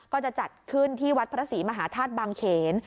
ก็จะจัดขึ้นที่วัดพระศรีมหาธาตุบางเขน